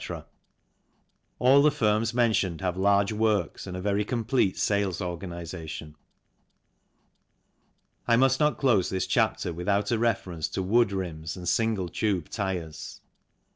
All the firms mentioned have large works and a very complete sales organization. I must not close this chapter without a reference to wood rims and single tube tyres.